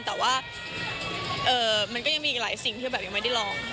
แต่ว่ามันก็ยังมีอีกหลายสิ่งที่แบบยังไม่ได้ลอง